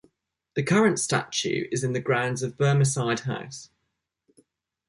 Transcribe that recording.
The current statue is in the grounds of Bemersyde House.